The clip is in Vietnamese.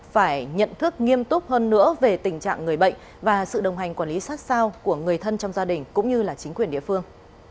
phải nhận thức nghiêm túc hơn nữa về tình trạng người bệnh và sự đồng hành quản lý sát sao của người thân trong gia đình cũng như chính quyền địa phương